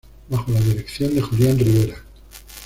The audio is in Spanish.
Bajo la dirección de Julián Ribera.